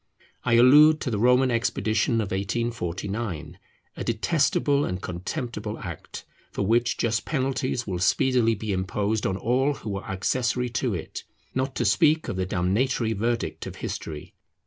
I allude to the Roman expedition of 1849; a detestable and contemptible act, for which just penalties will speedily be imposed on all who were accessory to it; not to speak of the damnatory verdict of history.